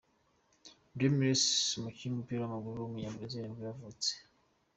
Ramires, umukinnyi w’umupira w’amaguru w’umunyabrazil nibwo yavutse.